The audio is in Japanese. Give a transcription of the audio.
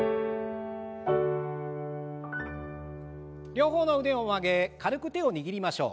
両方の腕を上げ軽く手を握りましょう。